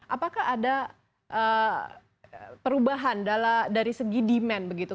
apakah ada perubahan dari segi demand begitu